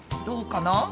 どうかな？